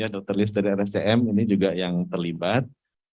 dokter list dari rscm ini juga yang terlibat